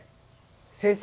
先生